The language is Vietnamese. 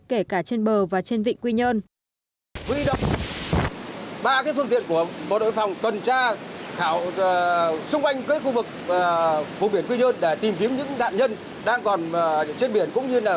kể cả trên bờ và trên vịnh quy nhơn